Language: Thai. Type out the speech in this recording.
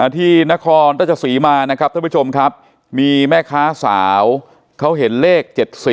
ที่นครราชศรีมานะครับท่านผู้ชมครับมีแม่ค้าสาวเขาเห็นเลข๗๔